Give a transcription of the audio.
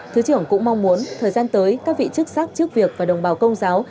thứ trưởng cũng mong muốn thời gian tới các vị chức sắc trước việc và đồng bào công giáo